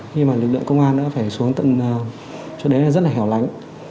khi mà lực lượng công an đã phải xuống tận chỗ đấy là rất là hẻo lánh